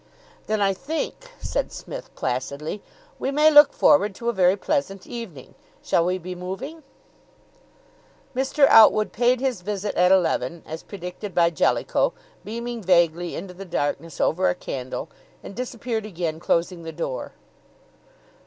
"Then I think," said Psmith placidly, "we may look forward to a very pleasant evening. Shall we be moving?" Mr. Outwood paid his visit at eleven, as predicted by Jellicoe, beaming vaguely into the darkness over a candle, and disappeared again, closing the door.